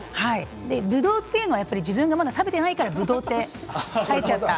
ぶどうというのは自分がまだ食べてないからぶどうと書いちゃった。